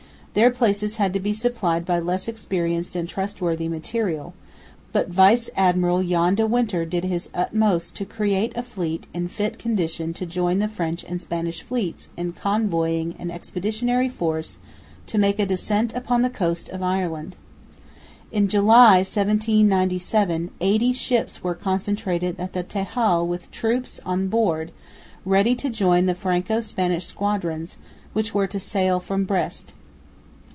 Their places had to be supplied by less experienced and trustworthy material; but Vice Admiral Jan de Winter did his utmost to create a fleet in fit condition to join the French and Spanish fleets in convoying an expeditionary force to make a descent upon the coast of Ireland. In July, 1797, eighty ships were concentrated at the Texel with troops on board, ready to join the Franco Spanish squadrons, which were to sail from Brest.